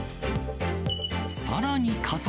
さらに加速。